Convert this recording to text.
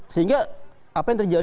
sehingga apa yang terjadi